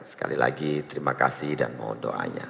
sekali lagi terima kasih dan mohon doanya